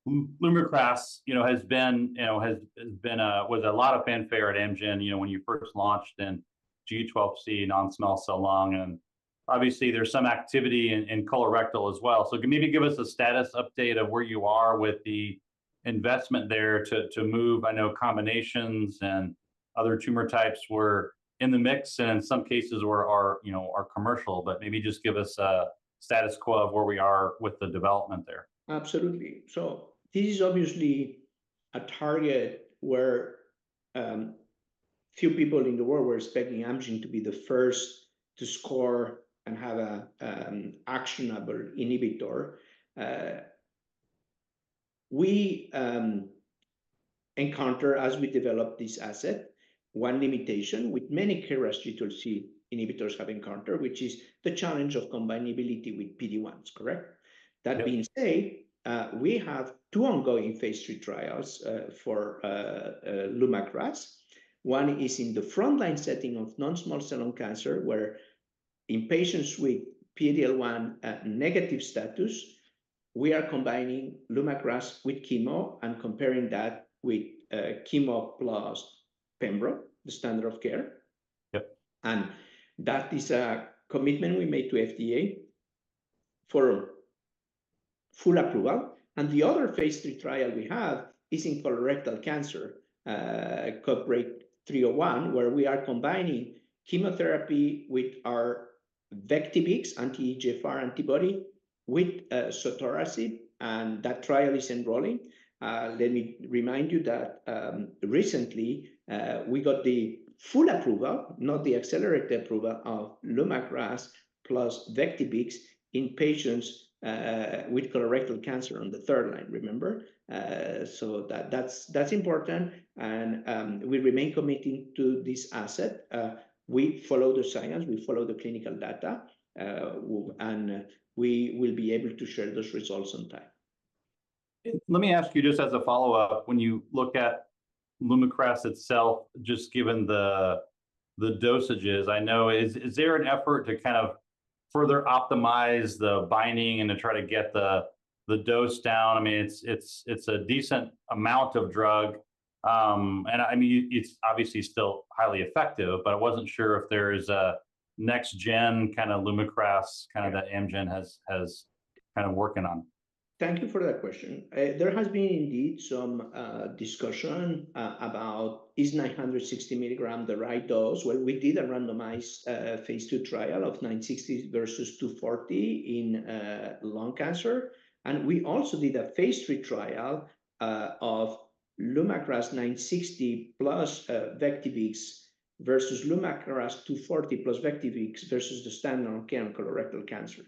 Lumakras, you know, has been, you know, was a lot of fanfare at Amgen, you know, when you first launched in G12C, non-small cell lung. And obviously, there's some activity in colorectal as well. So maybe give us a status update of where you are with the investment there to move. I know combinations and other tumor types were in the mix and in some cases were, you know, commercial, but maybe just give us a status quo of where we are with the development there. Absolutely. So this is obviously a target where few people in the world were expecting Amgen to be the first to score and have an actionable inhibitor. We encounter, as we develop this asset, one limitation with many KRAS G12C inhibitors have encountered, which is the challenge of combinability with PD-1s, correct? That being said, we have two ongoing Phase III trials for Lumakras. One is in the frontline setting of non-small cell lung cancer, where in patients with PD-1 negative status, we are combining Lumakras with chemo and comparing that with chemo plus Pembro, the standard of care. And that is a commitment we made to FDA for full approval. And the other Phase III trial we have is in colorectal cancer, CodeBreaK 301, where we are combining chemotherapy with our Vectibix anti-EGFR antibody with sotorasib, and that trial is enrolling. Let me remind you that recently we got the full approval, not the accelerated approval of Lumakras plus Vectibix in patients with colorectal cancer on the third line, remember? So that's important. And we remain committed to this asset. We follow the science. We follow the clinical data, and we will be able to share those results on time. Let me ask you just as a follow-up, when you look at Lumakras itself, just given the dosages, I know is there an effort to kind of further optimize the binding and to try to get the dose down? I mean, it's a decent amount of drug. And I mean, it's obviously still highly effective, but I wasn't sure if there is a next-gen kind of Lumakras kind of that Amgen has kind of working on. Thank you for that question. There has been indeed some discussion about is 960 milligrams the right dose? Well, we did a randomized Phase II trial of 960 versus 240 in lung cancer. And we also did a Phase III trial of Lumakras 960 plus Vectibix versus Lumakras 240 plus Vectibix versus the standard of care in colorectal cancer.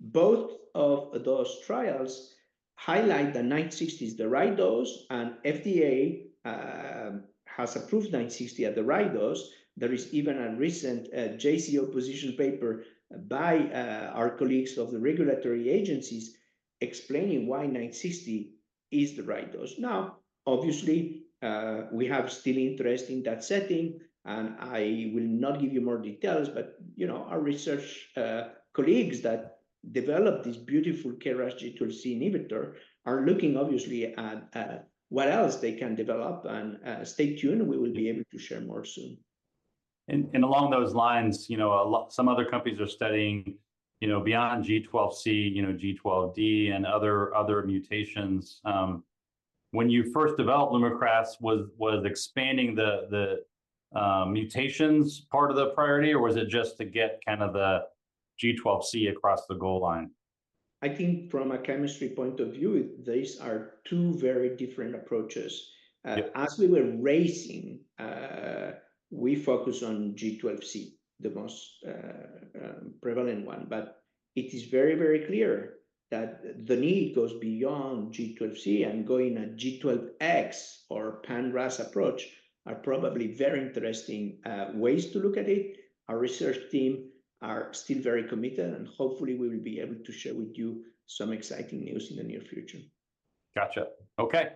Both of those trials highlight that 960 is the right dose, and FDA has approved 960 as the right dose. There is even a recent JCO position paper by our colleagues at the regulatory agencies explaining why 960 is the right dose. Now, obviously, we still have interest in that setting, and I will not give you more details, but, you know, our research colleagues that developed this beautiful KRAS G12C inhibitor are looking obviously at what else they can develop, and stay tuned. We will be able to share more soon. And along those lines, you know, some other companies are studying, you know, beyond G12C, you know, G12D and other mutations. When you first developed Lumakras, was expanding the mutations part of the priority, or was it just to get kind of the G12C across the goal line? I think from a chemistry point of view, these are two very different approaches. As we were racing, we focused on G12C, the most prevalent one, but it is very, very clear that the need goes beyond G12C, and going at G12X or pan-RAS approach are probably very interesting ways to look at it. Our research team are still very committed, and hopefully we will be able to share with you some exciting news in the near future. Gotcha. Okay.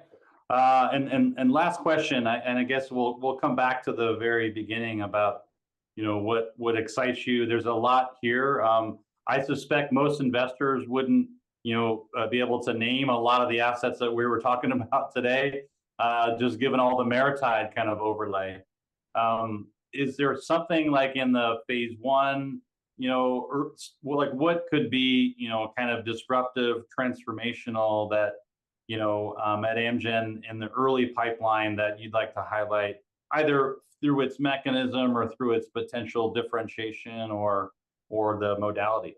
And last question, and I guess we'll come back to the very beginning about, you know, what excites you. There's a lot here. I suspect most investors wouldn't, you know, be able to name a lot of the assets that we were talking about today, just given all the myriad kind of overlay. Is there something like in the Phase I, you know, like what could be, you know, kind of disruptive, transformational that, you know, at Amgen in the early pipeline that you'd like to highlight either through its mechanism or through its potential differentiation or the modality?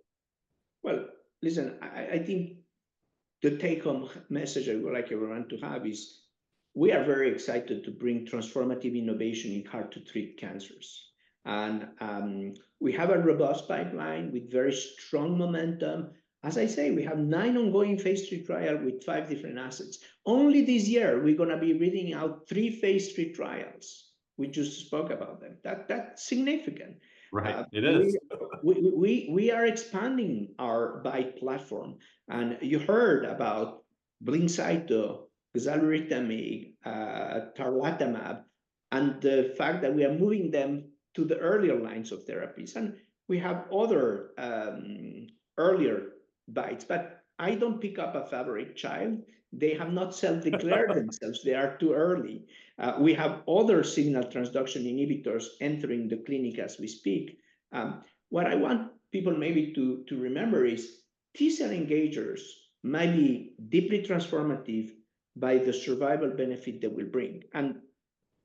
Listen, I think the take-home message I would like everyone to have is we are very excited to bring transformative innovation in hard-to-treat cancers. We have a robust pipeline with very strong momentum. As I say, we have nine ongoing Phase III trials with five different assets. Only this year, we're going to be rolling out three Phase III trials. We just spoke about them. That's significant. Right. It is. We are expanding our BiTE platform, and you heard about BLINCYTO, xaluritamig, tarlatamab, and the fact that we are moving them to the earlier lines of therapies. We have other earlier BiTEs, but I don't pick up a favorite child. They have not self-declared themselves. They are too early. We have other signal transduction inhibitors entering the clinic as we speak. What I want people maybe to remember is T-cell engagers might be deeply transformative by the survival benefit that will bring.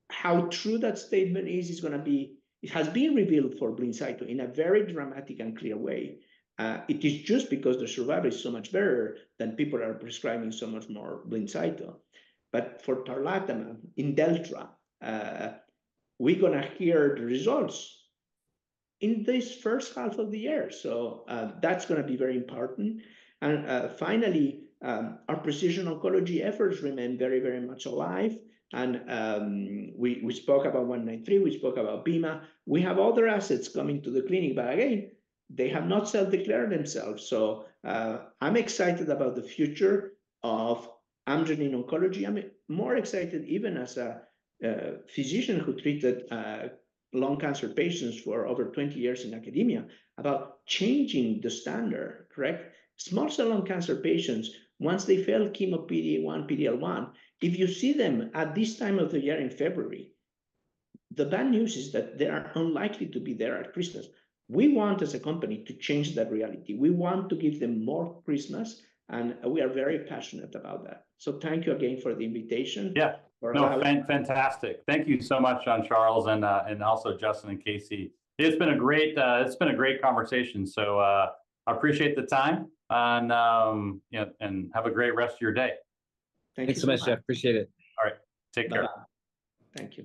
How true that statement is is going to be revealed for BLINCYTO in a very dramatic and clear way. It is just because the survival is so much better than people are prescribing so much more BLINCYTO, but for tarlatamab, Imdelltra, we're going to hear the results in this first half of the year. That's going to be very important. Finally, our precision oncology efforts remain very, very much alive. We spoke about AMG 193, we spoke about Bema. We have other assets coming to the clinic, but again, they have not self-declared themselves. I'm excited about the future of Amgen in oncology. I'm more excited even as a physician who treated lung cancer patients for over 20 years in academia about changing the standard, correct? Small cell lung cancer patients, once they fail chemo PD-1, PD-1, if you see them at this time of the year in February, the bad news is that they are unlikely to be there at Christmas. We want as a company to change that reality. We want to give them more Christmas, and we are very passionate about that. Thank you again for the invitation. Yeah. No, fantastic. Thank you so much, Jean-Charles and also Justin and Casey. It's been a great conversation. So I appreciate the time, and you know, have a great rest of your day. Thank you so much. I appreciate it. All right. Take care. Thank you.